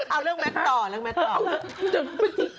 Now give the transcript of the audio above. เอาเรื่องแมทต่อเรื่องแมทต่อ